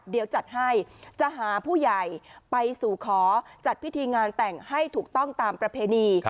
เดี๋ยวจัดให้จะหาผู้ใหญ่ไปสู่ขอจัดพิธีงานแต่งให้ถูกต้องตามประเพณี